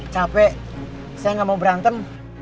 capek saya gak mau berantem